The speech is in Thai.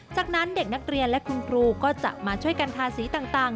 จากนั้นเด็กนักเรียนและคุณครูก็จะมาช่วยกันทาสีต่าง